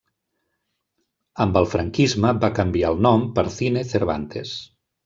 Amb el Franquisme va canviar el nom per Cine Cervantes.